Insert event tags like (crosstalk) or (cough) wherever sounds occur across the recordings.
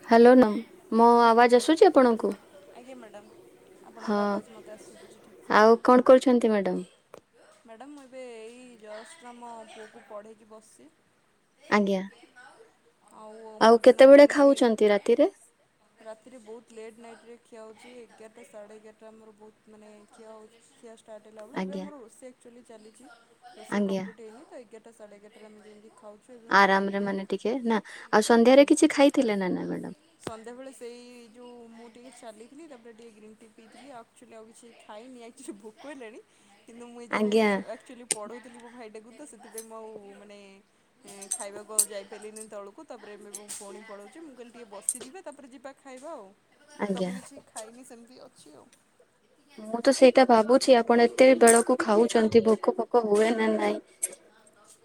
ନମସ୍କାର ମ୍ୟାଡ଼ାମ୍ ଆଜ୍ଞା ମ୍ୟାଡ଼ାମ୍। ଆପଣଙ୍କ ଆବାଜ ମୋତେ ଆସୁଛି ଠିକ୍ ସେ? ମ୍ୟାଡ଼ାମ ମୁଁ ଏବେ ଏଇ ଜଷ୍ଟ ଆମ ଝିଅକୁ ପଢ଼େଇକି ବସିଛି। ଆଜ୍ଞା ଆଉ କେତେବେଳେ ଖାଉଚନ୍ତି ରାତିରେ? ରାତିରେ ବହୁତ ଲେଟ୍ ନାଇଟରେ ଖିଆ ହେଉଛି ଏଗାରଟା ସାଢ଼େ ଏଗାରଟା ଆମର ବହୁତ ମାନେ ଖିଆ ହେଉଛି ଖିଆ ଷ୍ଟାର୍ଟ ହେଲାବେଳେ ଏବେ ଆମର ରୋଷେଇ ଆକ୍ଚୁଆଲି ଚାଲିଛି ରୋଷେଇ କମ୍ପିଲଟ ହେଇନି ତ ଏଗାରଟା ତ ସାଢେଏଗାଟାରେ ଆମେ ଏମିତି ଖାଉ। ଆରାମରେ ମାନେ ଟିକେ ନା ଆଉ ସନ୍ଧ୍ୟାରେ କିଛି ଖାଇଥିଲେ ନା ନା ମ୍ୟାଡାମ? ସନ୍ଧ୍ୟାବେଳେ ସେଇ ଯୋଉ ମୁଁ ଟିକେ ଚାଲିଥିଲି ତାପରେ ଟିକେ ଗ୍ରୀନ୍ ଟି ପିଇଥିଲି ଆକ୍ଚୁଆଲି ଆଉ କିଛି ଖାଇନି ଆ କିଛି ଭୋକ ହେଲାଣି କିନ୍ତୁ ମୁଁ ଏ ଯୋଉ ଆକଚୁଆଲି ପଢ଼ଉଥିଲି ମୋ ଭାଇଟାକୁ ତ ସେଥିପାଇଁ ଆଉ ମାନେ ଖାଇବାକୁ ଆଉ ଯାଇ ପାରିଲିନି ତଳକୁ ତାପରେ ଏବେ ମୁଁ ଫୁଣି ପଢ଼ଉଛି ମୁଁ ମୁଁ କହିଲି ଟିକେ ବସିଯିବି ତାପରେ ଯିବା ଖାଇବା ଆଉ ତ ମୁଁ କିଛି ଖାଇନି ସେମିତି ଅଛି ଆଉ। ମୁଁ ତ ସେଇଟା ଭାବୁଛି ଆପଣ ଏତେ ବେଳକୁ ଖାଉଛନ୍ତି ଭୋକ ଫୋକ ହୁଏ ନା ନାଇଁ?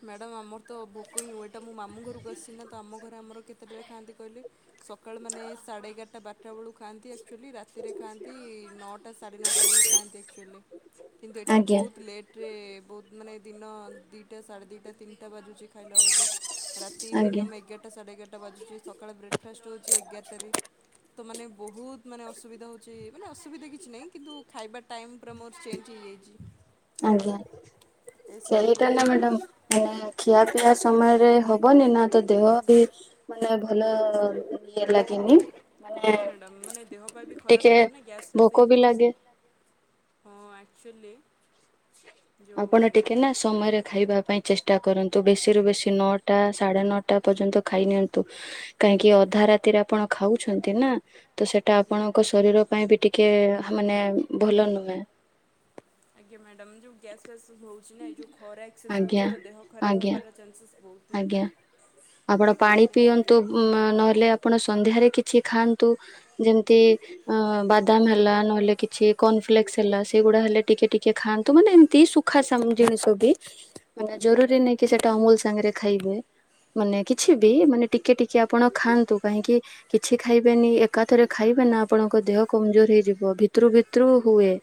ମ୍ୟାଡାମ ଆମର ତ ଭୋକ ହି ହୁଏ ଏଇଟା ମୁଁ ମାମୁ ଘରକୁ ଆସିଛି ନା ତ ଆମ ଘରେ ଆମର କେ କେତେବେଳେ ଖାଆନ୍ତି କହିଲେ ସକାଳୁ ମାନେ ସାଢେ ଏଗାରଟା ବାରଟା ବେଳକୁ ଖାଆନ୍ତି। ଆକଚୋଲି ରାତିରେ ଖାଆନ୍ତି ନଅଟା ସାଢ଼େ ନଅଟା ବେଳକୁ ଖାଆନ୍ତି ଆକଚୋଲି। କିନ୍ତୁ ଏଠି ବହୁତ ଲେଟରେ ବହୁତ ମାନେ ଦିନ ଦିଟା ସାଢ଼େ ଦିଟା ତିନିଟା ବାଜୁଚି। ଖାଇଲା ବେଳକୁ ରାତି ମିନିଅମ୍ ଏଗାରଟା ଏଗାରଟା ସାଢେ ଏଗାରଟା ବାଜୁଛି ସକାଳେ ବ୍ରେକଫାଷ୍ଟ ହଉଛି ଏଗାରଟାରେ ତ ମାନେ ବହୁତ ମାନେ ଅସୁବିଧା ହଉଛି ମାନେ ଅସୁବିଧା କିଛି ନାହିଁ କିନ୍ତୁ ଖାଇବା ଟାଇମ୍ ପୁରା ମୋର ଚେଞ୍ଜ ହେଇଯାଇଚି। ଆଜ୍ଞା ସେଇଟା ନା ମ୍ୟାଡାମ୍ ମାନେ ଖିଆ ପିଆ ସମୟରେ ହ ହବନି ନା ତ ଦେହ ବି ମାନେ ଭଲ ଇଏ ଲାଗେନି। ହଁ ମ୍ୟାଡ଼ାମ ମାନେ ଦେହ ପାଇଁ ବି ଖରାପ ରହିବ ନା ଗ୍ୟାସ୍ ଫ୍ୟାସ୍ ହେଇଯିବ। ହଁ ଆକଚୋଲି? ଆପଣ ଟିକେ ନା ସ୍ ସମୟରେ ଖାଇବା ପାଇଁ ଚେଷ୍ଟା କରନ୍ତୁ ବେଶୀରୁ ବେଶୀ ନଅଟା ସାଢ଼େ ନଅଟା ପର୍ଯ୍ୟନ୍ତ ଖାଇ ନିଅନ୍ତୁ ତ କାହିଁକି ଅଧା ରାତିରେ ଆପଣ ଖାଉଛନ୍ତି ନା? ତ ସେଇଟା ଆପଣଙ୍କ ଶରୀର ପାଇଁ ବି ଟିକେ ମାନେ ଭଲ ନୁହେଁ। ଆଜ୍ଞା ମ୍ୟାଡ଼ାମ ଯେଉଁ ଗ୍ୟାସ ଫ୍ୟାସ୍ ସବୁ ହଉଛି ନା ଏ ଯୋଉ ଖରା ଏକ୍ସେସ୍ ହେଉଛି ତ ଦେହ ଖରାପ ହବାର ଚାନ୍ସସେଶ ଆଜ୍ଞା ଆପଣ ପାଣି ପିଅନ୍ତୁ ଉଁ ନହେଲେ ଆପଣ ସନ୍ଧ୍ୟାରେ କିଛି ଖାଆନ୍ତୁ ଯେମିତି ଅ ବାଦ ଜାମ ହେଲା ନହେଲେ କିଛି କର୍ଣଫ୍ଲେକ୍ସ ହେଲା ସେଇଗୁଡା ହେଲେ ଟିକେ ଟିକେ ଖାଆନ୍ତୁ ମାନେ ଏମତି ସୁଖା ସାମ ଜିନିଷ ବି ମାନେ ଜରୁରୀ ନାଇଁ କି ସେଟା ଅମୁଲ ସାଙ୍ଗରେ ଖାଇବେ ମାନେ କିଛି ବି ମାନେ ଟିକେ ଟିକେ ଆପଣ ଖାଆନ୍ତୁ କାହିଁକି କିଛି ଖାଇବେନି ଏକାଥରେ ଖାଇବେ ନା ଆପଣଙ୍କ ଦେହ କମଜୋର ହେଇଯିବ ଭିତରୁ ଭିତରୁ ହୁଏ।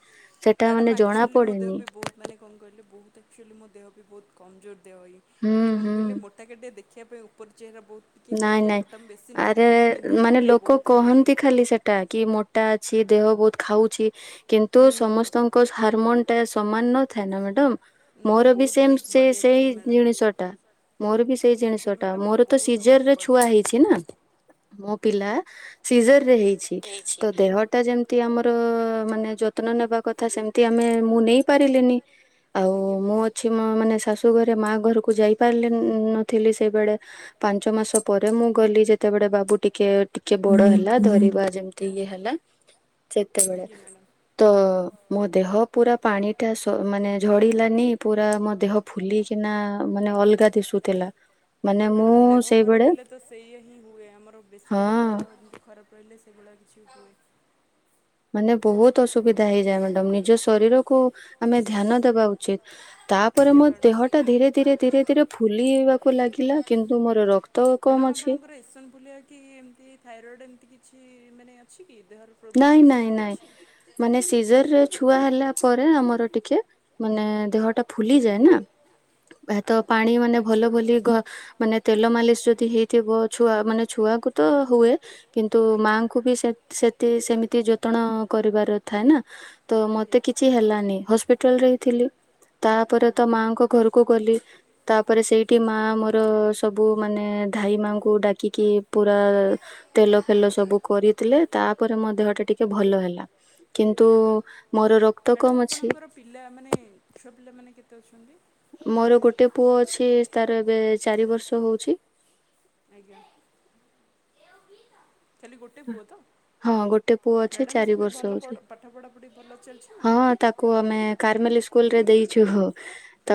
ମ୍ୟାଡ଼ାମ ଆକ୍ଚଚୁଆଲି ମୋ ଦେହ ବି ବହୁତ ମାନେ କଣ କହିଲେ ବହୁତ ଆକ୍ଚଚୁଆଲି ମୋ ଦେହ ବି ବହୁତ କମଜୋର ଦେହ ଏଇ ମାନେ କଣ କହିଲେ ମୋଟା କେଟେ ଦେଖ ଖିବା ପାଇଁ ଉପରେ ଚେହେରା ବହୁତ ନାଇଁ ନାଇଁ ଆରେ ମାନେ ଲୋକ କହନ୍ତି ଖାଲି ସେଟ ଟା କି ମୋଟା ଅଛି ଦେହ ବହୁତ ଖାଉଛି କିନ୍ତୁ ସମସ୍ତଙ୍କ ହାରମୋନ ଟା ସମାନ ନଥାଏ ନା ମ୍ୟାଡାମ ମୋର ବି ସେମ୍ ସେ ସେଇ ଜିଣିଷଟା। ମୋର ବି ସେଇ ଜିଣିଷଟା ମୋର ତ ସିଜରରେ ଛୁଆ ହେଇଛି ନା ମୋ ପିଲା ସିଜର ରେ ହେଇଛି ତ ଦେହ ଟା ଯେମିତି ଆମର ମାନେ ଯତ୍ନ ନେବା କଥା ସେମିତି ଆମେ ମୁଁ ନେଇ ପାରିଲିନି ଆଜ୍ଞା ମ୍ୟାଡ଼ାମ। ଏଇ ମୋ ମାନେ ଶାଶୁ ଘରେ ମା ଘରକୁ ଯାଇପାରିଲି ନଥିଲି ସେଇବେଳେ ପାଞ୍ଚ ମାସ ପରେ ମୁଁ ଗଲି ଯେତେବେଡେ ବାବୁ ଟିକେ ଟିକେ ବଡ଼ ହେଲା ଧରିବା ଯେମିତି ଇଏ ହେଲା ଚେତେବେଳେ ତ ମୋ ଦେହ ପୁରା ପାଣି ଟା ଶ୍ ମାନେ ଝଡିଲାନି ପୁରା ମୋ ଦେହ ଫୁଲିକିନା ମାନେ ଅଲଗା ଦିଶୁଥିଲା ମାନେ ମ୍ୟାଡ଼ମ୍ ଦେହ ଖରାପ ହେଲେ ତ ସେଇଆ ହିଁ ହୁଏ ଆମର ବେସିକାଲି ଦେହ ଏମିତି ଖରାପ ରହିଲେ ସେଭଳିଆ କିଛି ହୁଏ। ମାନେ ବହୁତ ଅସୁବିଧା ହେଇଯାଏ ମ୍ୟାଡମ ନିଜ ଶରୀରକୁୁ ଆମେ ଧ୍ୟାନ ଦେବା ଉଚିତ। ତାପରେ ମୋ ଦେହଟା ଧୀରେ ଧୀରେ ଧୀରେ ଧୀରେ ଫୁଲିିବାକୁ ଲାଗିଲା କିନ୍ତୁ ମୋର ରକ୍ତ କମ ଅଛି। ଏସନଫୁଲିଆ କି ଏମ୍ ତି ଥାଇରଏଡ଼୍ ଏମିତି କିଛି ମାନେ ଅଛି କି ଦେହର ପ୍ରୋବ୍ଲେମ୍ କିଛି ଏମିତି ଅଛି? ସିଜରରେ ଛୁଆ ହେଲା ପରେ ଆମର ଟିକେ ମାନେ ଦେହଟା ଫୁଲିଯାଏ ନା! ହୁଏ ତ ପାଣି ମାନେ ଭଲ ବୋଲି ଗ ମାନେ ତେଲ ମାଲିସ ଯଦି ହେଇଥିବ ଛୁଆ ମାନେ ଛୁଆକୁ ତ ହୁଏ କିନ୍ତୁ ମାଆଙ୍କୁ ବି ସେ ସେତି ସେମିତି ଯତଣ କରିବାର ଥାଏ ନା! ତ ମତେ କିଛି ହେଲାନି ହସ୍ପିଟାଲରେ ହିଁ ଥିଲି ତାପରେ ତ ମାଙ୍କ ଘରୁ କୁ ଗଲି ତାପରେ ସେଇଠି ମା ମୋର ସବୁ ମାନେ ଧାଇ ମାଙ୍କୁ ଡାକିକି ପୁରା ତେଲ ଫେଲ ସବୁ କରିଥିଲେ ତାପରେ ମୋ ଦେହଟା ଟିକେ ଭଲ ହେଲା। କିନ୍ତୁ ମୋର ରକ୍ତ କମ ଅଛି। ପିଲାମାନେ ଛୁଆ ପିଲାମାନେ କେତେ ଅଛନ୍ତି? ମୋର ଗୋଟେ ପୁଅ ଅଛି ତାର ଏବେ ଚାରି ବର୍ଷ ହଉଛି ଆଜ୍ଞା। ଖାଲି ଗୋଟେ ପୁଅ ତ! ମ୍ୟାଡାମ ସେବେ ଭଲ ପଢ଼ ପାଠ ପଢା ପଢି ଭଲ ଚାଲିଛି ନା! କୁ ଆମେ କାରମେଲି ସ୍କୁଲରେ ଦେଇଛୁ ତ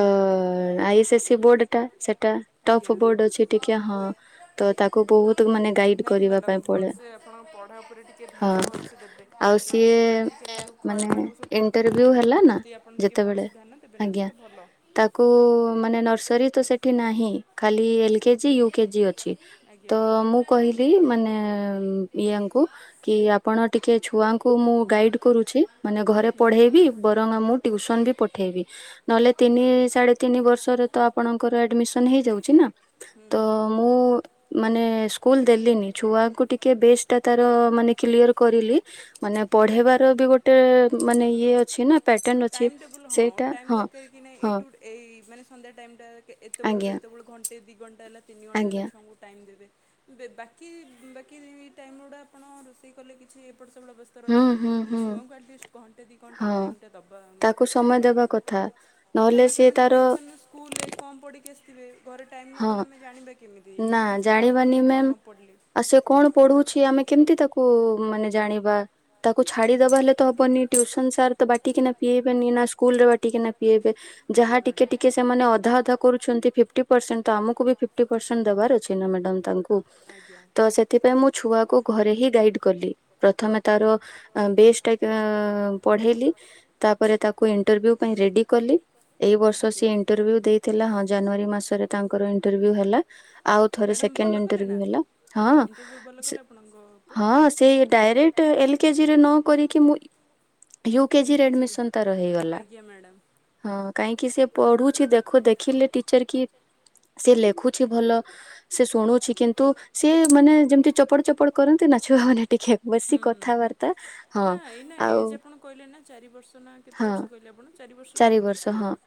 ଆଇ ଏସ ଏସ ସି ସେ ବୋର୍ଡ଼ଟା ସେଟା। ଟଫ ବୋର୍ଡ ଅଛି ଟିକେ ହଁ ତ ତାକୁ ବହୁତ ମାନେ ଗାଇଡ କରିବା ପାଇଁ ପଡେ। ଆପଣ ପଢ଼ା ଉପରେ ଟି ଟିକେ ଧ୍ୟାନ ଭଲସେ ଦେବେ ତେଣୁ ଛୁଆ ଆଜି କାଲି ସବୁ ଖରାପ ବାଟକୁ ସବୁ ପଳଉଛନ୍ତି ନା ଯଦି। ଆପଣ ଟିକେ ଭଲସେ ଧ୍ୟାନ ଦେବେ ନା ତ ଭଲ। ତାକୁ ମାନେ ନର୍ସରୀ ତ ସେଠି ନାହିଁ। ଖାଲି ଏଲକେଜି ୟୁକେଜି ଅଛି ତ ମୁଁ କହିଲି ମାନେ ଉଁ। ୟାଙ୍କୁ। କି ଆପଣ ଟିକେ ଛୁଆଙ୍କୁ ମୁଁ ଗାଇଡ୍ କରୁଛି ମାନେ ଘରେ ପଢେଇବି ବରଂ ଆଉ ମୁଁ ଟ୍ୟୁସନ ବି ପ ପଠେଇବି ନହଲେ ତିନି ସାଢ଼େ ତିନି ବର୍ଷରେ ତ ଆପଣଙ୍କର ଆଡମିସନ୍ ହେଇ ଯାଉଛି ନା, ତ। ମୁଁ ମାନେ ସ୍କୁଲ ଦେଲିିନି ଛୁଆକୁ ଟିକେ ବେସ୍ ଟା ତାର ମାନେ କ୍ଳିଅର। କରିଲି ମାନେ ପଢେଇବାର ବି ଗୋଟେ ମାନେ ଇଏ ଅଛି ନା। ଟାଇମ୍ ଟେବୁଲ ହଁ ଟାଇମ୍ ଦରକାର କି ନାଇଁ ଏଇ ଟୁ ଗୋଟେ। ଏଇ ମାନେ ସନ୍ଧ୍ୟା ଟାଇମ୍ ଟା କେ ଏତେବେଳରୁ ଏତେବେଳୁ ଘଣ୍ଟେ ଦି ଘଣ୍ଟା ହେଲା। ତିନି ଘଣ୍ଟା ହେଲା ଛୁଆଙ୍କୁ ଟାଇମ୍ ଦେବେ। ଦେ ବାକି ବାକି ଟାଇମ୍ ଗୁଡ଼ା ଆପଣ ରୋଷେଇ କଲେ କିଛି ଏପଟ ସେପଟ ବେ ସ୍ତ ରହିଲେ କିନ୍ତୁ ଛୁଆଙ୍କୁ ଆଟଲିଷ୍ଟ୍ ଘଣ୍ଟେ ଦି ଘଣ୍ଟା ଟାଇମ୍ ଟା। ଦବା ଭଲ କାରଣ ସେମାନେ ଟ୍ୟୁସନ ସ୍କୁଲ ରେ। କଁ ପଡ଼ିକି ଆସିଥିବେ ଘରେ ଟାଇମ୍ ନଦେଲେ ଆମେ ଜାଣିବା କେମିତି ମାନେ ସେ କଣ ପଡ଼ିଲେ କଣ ନ ପଡ଼ିଲେ। ଆଉ ସେ କଣ ପଢୁଛି ଆମେ କେମିତି ତାକୁ ମାନେ ଜାଣିବା ତାକୁ ଛାଡିଦବା ହେଲେ ତ ହବନି। ଟ୍ୟୁସନ ସାର୍ ତ ବାଟିିକିନା ପିଆଇବେନି ନା ସ୍କୁଲ ରେ ବାଟିିକିନା ପିଏଇବେ। ଯାହା ଟିକେ ଟିକେ ସେମାନେ ଅଧା ଅଧା କରୁଛନ୍ତି ଫିଫ୍ଟି। ପରସେଣ୍ଟ ତ ଆମକୁ କୁ ବି ଫିପ୍ଟି ପରସେଣ୍ଟ ଦେବାର୍ ଅଛି ନା ମ୍ୟାଡ଼ାମ ତାଙ୍କୁ ତ ସେ ଥିପାଇଁ ମୁଁ ଛୁଆକୁ ଘରେ ହିଁ ଗାଇଡ୍ କଲି ପ୍ରଥମେ ତାର। ଆ ବେସ୍ ଟା କେଆଁ ପଢେଇଲି ତାପରେ ତାକୁ ଇଣ୍ଟରଭ୍ୟୁ ପାଇଁ ରେଡି କଲି। ଏଇ ବର୍ଷ ସିଏ ଇଣ୍ଟରଭିୟୁ ଦେଇଥିଲା ହଁ ଜାନୁୟାରୀ ମାସରେ ତାଙ୍କର ଇଣ୍ଟରଭିୟୁ ହେଲା। ଆଉ ଥରେ ସେକେଣ୍ଡ୍ ଇଣ୍ଟର୍ଭ୍ୟୁ ହେଲା, ହଁ ସେ। ହଁ ସେଇ ଡାଇରେକ୍ଟ ଏଲ୍ କେଜିିରେ ନ କରିକି ମୁଁ। ୟୁକେଜିରେ ଆଡମିସନ୍ ତାର ହେଇଗଲା। ହଁ କାହିଁକି ସିଏ ପଢୁଛି ଦେଖୁ ଦେଖିଲେ ଟିଚର କି। ସିଏ ଲେଖୁଛି ଭଲ। ସିଏ ଶୁଣୁଛି କିନ୍ତୁ ସିଏ ମାନେ ଯେମିତି ଚପଡ ଚପଡ଼ କରନ୍ତି ନା ଛୁଆ ମାନେ ଟିକେ। ହୁଁ, ହୁଁ, ହୁଁ, ନା ଏଇ ନା ଏଜ୍ ଆପଣ କହିଲେ ନା ଚାରି ବର୍ଷ ନା କେତେ ବର୍ଷ କହିଲେ ଆପଣ? ଚାରି ବର୍ଷ ନା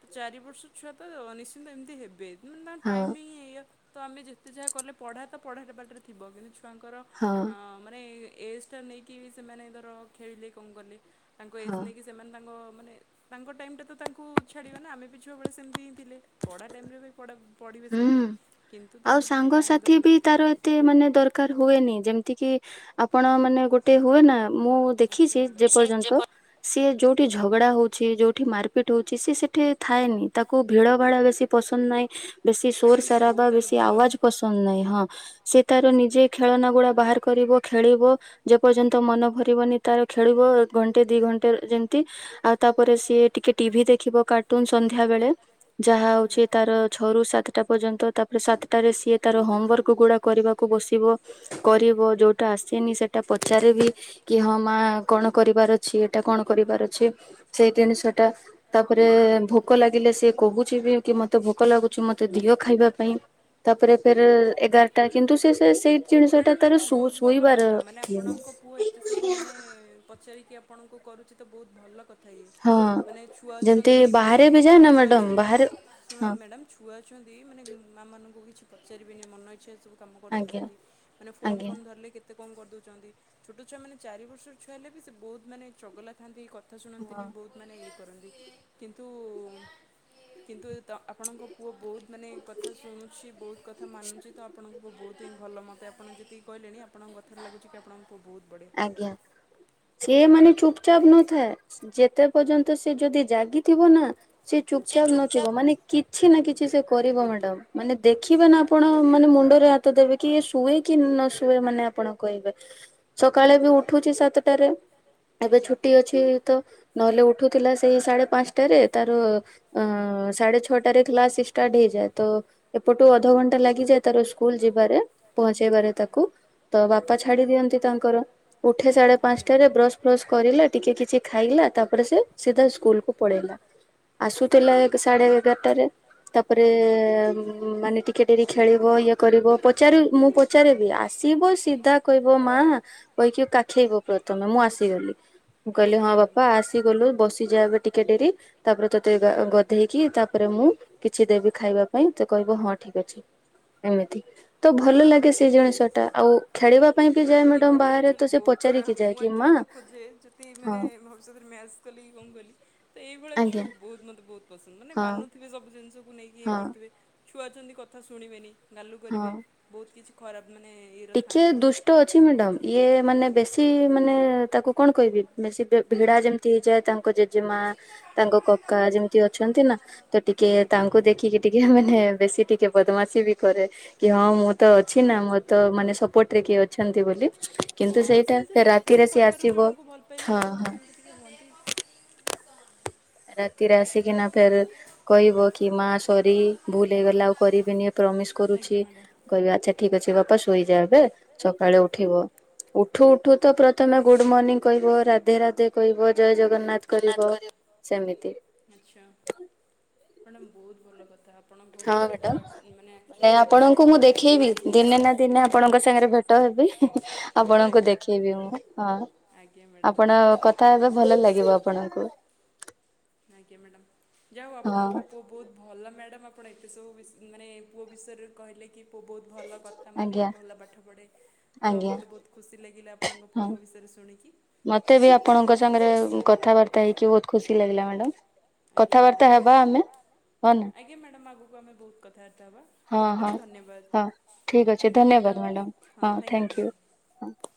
ତ ଚାରି, ବର୍ଷ ଛୁଆ ତ ନିଶ୍ଚିନ୍ତ ଏମିତି ହେବେ। ମାନେ ତାଙ୍କ ଟାଇମ୍ ହିଁ ଏଇଆ ତ ଆମେ ଯେତେ ଯାହା କଲେ ପଢ଼ା ତ ପଢ଼ାରେ ବାଟରେ ଥିବ କିନ୍ତୁ ଛୁଆଙ୍କର। ହଁ ମାନେ ଏଜ୍ ଟା ନେଇକି ବି ସେମାନେ ଧର ଖେଳିଲେ କଣ କଲେ ତାଙ୍କ ଏଜ୍ ନେଇକି। ସେମାନେ ତାଙ୍କ ମାନେ। ତାଙ୍କ ଟାଇମ୍ ଟା ତ ତାଙ୍କୁ ଛାଡ଼ିବା ନା ଆମେ ବି ଛୁଆବେଳେ ସେମିତି ହିଁ ଥିଲେ ପଢ଼ା ଟାଇମ୍ ରେ ବି। ପଢା ପଢିବେ ସେମାନେ କିନ୍ତୁ ତାଙ୍କୁ ଟିକେ ଟାଇମ୍ ଦବା ଦରକାର। ଟିକେ ମାନେ ଦର କାର ହୁଏନି ଯେମତି କି। ଆପଣ ମାନେ ଗୋଟେ ହୁଏ ନା ମୁଁ ଦେଖିଛି ଯେ ପର୍ଯ୍ୟନ୍ତ ସିଏ ଯୋଉ। ଟି ଝଗଡା ହଉଛି ଯୋଉଠି ମାର୍ ପିଟ୍ ହଉଛି ସିଏ ସେଠି ଥାଏନି ତାକୁ ଭିଡ ଭାଡ ବେଶୀ ପସନ୍ଦ ନାହିଁ। କି ସୋର୍ ସରାବା ବେଶି ଆୱାଜ୍ ପସନ୍ଦ ନାହିଁ ହଁ। ସିଏ ତାର ନିଜେ ଖେଳନା ଗୁଡା ବାହାର କରିବ ଖେଳିବ। ଯେ ପର୍ଯ୍ୟନ୍ତ ମନ ଭରିବନି ତାର ଖେଳିବ ଘଣ୍ଟେ ଦି ଘଣ୍ଟେ ଯେମତି ଆଉ ତାପରେ ସିଏ ଟିକେ ଟିଭି ଦେଖିବ କାର୍ଟୁନ ସନ୍ଧ୍ୟାବେଳେ ଯାହା ହଉଚି ତାର ଛୋ ସାତଟା ପର୍ଯ୍ୟନ୍ତ ତାପରେ ସାତଟାରେ ସିଏ ତାର ହୋମୱାର୍କ ଗୁଡା କରିବାକୁ ବସିବ। କରିବ ଯୋଉଟା ଆସେନି ସେଟା ପଚାରିବି ବି କି ହଁ ମା କଣ କରିବାର ଅ ଛି ଏଇଟା କଣ କରିବାର ଅଛି? ସେଇ ଜିନିଷ ଟା ତାପରେ ଭୋକ ଲାଗିଲେ ସିଏ କହୁଛି ବି କି ମତେ ଭୋକ ଲାଗୁ ଚି ମତେ ଦିଅ ଖାଇବା ପାଇଁ ତାପରେ ଫେର୍ ଏଗାରଟା କିନ୍ତୁ ସିଏ ସେ ସେଇ ମ୍ୟାଡାମ ଏତ ବହୁତ ଭଲ କଥା ମାନେ ଆପଣଙ୍କ ପୁଅ ଏତେ ସବୁ ମାନେ ପଚାରିକି ଆପଣଙ୍କୁ କରୁଛି ତ ବହୁତ ଭଲ କଥା। (inaudible) ମାନେ ଛୁଆ ଅଛନ୍ତି କି ମାନେ ଛୁଆ ଅଛନ୍ତି ଶୁଣନ୍ତୁ ମ୍ୟାଡ଼ମ। ଛୁଆ ଅଛନ୍ତି ମାନେ ମାଆ ମାନଙ୍କୁ କିଛି ପଚାରିବେନି ମନ ଇଚ୍ଛା ଏ ସବୁ କାମ କରିଦେଉଛନ୍ତି। ଫୋନ୍ ଫୋନ ଧରିଲେ କେତେ କଣ କରିଦଉଛନ୍ତି ଛୋଟ ଛୁଆ ମାନେ ଚାରି ବର୍ଷର ଛୁଆ ହେଲେ ବି ସେ ବହୁତ ମାନେ ଚଗଲା ଥାନ୍ତି କ କଥା ଶୁଣନ୍ତିନି ବହୁତ ମାନେ ଇଏ କରନ୍ତି କିନ୍ତୁ କିନ୍ତୁ ଏ ତ ଆପଣଙ୍କ ପୁଅ ବହୁତ ମାନେ କଥା ଶୁଣୁଛି ବହୁତ କଥା ମାନୁଛି ତ ଆପଣଙ୍କ ପୁଅ ବହୁତ ହିଁ ଭଲ ମତ ମତେ ଆପଣ ଯେତିିକି କହିଲେଣି ଆପଣଙ୍କ କଥାରେ ଲାଗୁଛି କି ଆପଣଙ୍କୁ ବହୁତ ବଢିଆ ଆଜ୍ଞା। ସେ ମାନେ ଚୁପଚାପ ନଥାଏ ଯେତେ ପର୍ଯ୍ୟନ୍ତ ସେ ଯଦି ଜାଗିଥିବ ନା ସେ ଚୁପଚାପ୍ ନଥିବ ମାନେ କିଛି ନା କିଛି ସେ କରିବ ମ୍ୟାଡାମ ମାନେ ଦେଖିବେ ନା ଆପଣ ମାନେ ମୁଣ୍ଡରେ ହାତ ଦେବେ। କି ଶୁଏ କି ନ ଶୁଏ ମାନେ ଆପଣ କହିବେ। ସକାଳେ ବି ଉଠୁଚି ସାତଟାରେ ଏବେ ଛୁଟି ଅଛି ତ ନହେଲେ ଉଠୁଥିଲା ସେଇ ସାଢେ ପାଞ୍ଚଟାରେ ତାର ଅ ସାଢେ ଛଅ ଛଅଟାରେ କ୍ଲାସ ଷ୍ଟାର୍ଟ ହେଇଯାଏ ତ ଏପଟୁ ଅଧଘଣ୍ଟା ଲାଗିଯାଏ ତାର ସ୍କୁଲ ଯିବାରେ ପହଞ୍ଚେଇବାରେ ତାକୁ ତ ବାପା ଛାଡି ଦିଅନ୍ତି ତାଙ୍କର ଉଠେ ସାଢେ ପାଞ୍ଚଟାରେ ବ୍ରଶ ବ୍ରଶ କରିଲା ଟିକେ କିଛି ଖାଇଲା ତାପରେ ସେ ସିଧା ସ୍କୁଲ କୁ ପଳେଇଲା। ଆସୁଥିଲା ସାଢେ ଏଗାରଟାରେ ତାପରେ ଉମ ମାନେ ଟିକେ ଡେରି ଖେଳିବ ଇଏ କରିବ ପଚାର ମୁଁ ପଚାରେବି ଆସିବ ସିଧା କହିବ ମା କହିକି କାଖେଇବ ପ୍ରଥମେ ମୁଁ ଆସିଗଲି। ମୁଁ କହିଲି ହଁ ବାପା ଆସିଗଲୁ ବସିଯା ଏବେ ଟିକେ ଡେରି ତାପରେ ତୋତେ ଗଧେଇକି ତାପରେ ମୁଁ କିଛି ଦେବି ଖାଇବା ପାଇଁ ତ କହିବ ହଁ ଠିକ ଅଛି ଏମିତି। ତ ଭଲ ଲାଗେ ସେ ଜିନିଷ ଟା ଆଉ ଖେଳିବା ପାଇଁ ବି ଯାଏ ନା ଏମିତି ଆକ୍ଚୁଆଲି ବହୁତ ଛୁଆ ମୁଁ ଆକ୍ଚୁଆଲି ତ ଖୋଜେ ଯିଦି ମାନେ ଭବିଷ୍ୟତରେ ମ୍ୟାଚ୍ (unintelligible) ଏଇଭଳିଆ ଛୁଆ ବହୁତ ମତେ ବହୁତ ପସନ୍ଦ ମାନେ ମାନୁଥିବେ ସବୁଜିନିଷ କୁ ନେଇ। ଇଏ କରୁଥିବେ ଛୁଆ ଅଛନ୍ତି କଥା ଶୁଣିବେନି ଗାଲୁ କରିବେ ବହୁତ କିଛି ଖରାପ ମାନେ ଟିକିଏ ଦୁସ୍ ଟୋ ଅଛି ମ୍ୟାଡାମ ଇଏ ମାନେ ବେଶୀ ମାନେ ତାକୁ କଣ କହିବି ବେଶୀ ଭିଡା ଯେମତି ଦି ଯା ତାଙ୍କ ଜେଜେମା ତାଙ୍କ କକା ଯେମିତି ଅଛନ୍ତି ନା। ତ ଟିକେ ତାଙ୍କୁ ଦେଖିକି ଟିକେ ମାନେ ବେଶୀ ଟିକେ ବଦମାସି ବି କରେ। କି ହଁ ମୁଁ ତ ଅଛି ନା ମୋର ତ ମାନେ ସପୋର୍ଟ ରେ କିଏ ଅଛନ୍ତି ବୋଲି। ଅ ସେମତି ମାନେ ପରିବାର ଜଣଙ୍କୁ ଭଲ ପାଇଲେ ଛୁଆମାନେ ସେମତି ଟିକେ ହୁଅନ୍ତି। ରାତିରେ ଆସିକିନା ଫେର କହିବ କି ମା ସରି ଭୁଲ ହେଇଗଲା ଆଉ କରିବିନି। ପ୍ରମିସ କରୁଛି କହିବି ଆଚ୍ଛା ଠିକ ଅଛି ବାପା ଶୋଇଯା ଏବେ ସକାଳେ ଉଠିବ। ଉଠୁ ଉଠୁ ତ ପ୍ରଥମେ ଗୁଡ ମର୍ଣ୍ଣିିଂ କହିବ ରାଧେ ରାଧେ କହିବ ଜୟ ଜଗନ୍ନାଥ ଆଚ୍ଛା ମାଡ଼ାମ୍ ବୋହୁତ ଭଲ କଥା। ହଁ ମେଡ଼ମ ମାନେ ଆପଣଙ୍କୁ ମୁଁ ଦେଖେଇବି ଦିନେ ନାଁ ଦିନେ ଆପଣଙ୍କ ସାଙ୍ଗରେ ଭେଟ ହେବି। ଆପଣଙ୍କୁ ଦେଖେଇବି ମୁଁ ହଁ। ଆପଣ କଥା ହେବେ ଭଲ ଲାଗିବ ଆପଣଙ୍କୁ। ଆଜ୍ଞା ମାଡ଼ାମ୍ ଯାଉ ଆପଣଙ୍କ ପୁଅ ବଉ ଭଲ ମ୍ୟାଡ଼ାମ୍ ଆପଣ ଏତେ ସବୁ ବିଷ୍ ମାନେ ପୁଅ ବିଷୟରେ କହିଲେ କି ପୁଅ ବହୁତ ଭଲ କଥା ମାନେ ଭଲ ପାଠ ପଢ଼େ। ତ ମତେ ବହୁତ ଖୁସି ଲାଗିଲା ଆପଣଙ୍କ ପୁଅଙ୍କ ବିଷୟରେ ଶୁଣିକି। ମତେ ବି ଆପଣଙ୍କ ସାଙ୍ଗରେ କଥାବାର୍ତ୍ତା ହେଇକି ବହୁତ ଖୁସି ଲାଗିଲା ମାଡ଼ମ୍। ଆଜ୍ଞା ମାଡ଼ାମ୍। ଆଜ୍ଞା ମାଡ଼ାମ୍ ଆଗୁକୁ ଆମେ ବହୁତ କଥାବାର୍ତ୍ତା ହବା। ହଁ ହଁ ହଁ ଠିକ୍ ଅଛି ଧନ୍ୟବାଦ ମ୍ୟାଡ଼ମ୍ ହଁ ଥ୍ୟାଙ୍କ୍ ୟୁ ହଁ।